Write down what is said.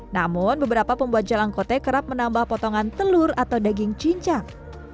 namun beberapa pembuat jalang kote kerap menambah potongan telur atau daging cincang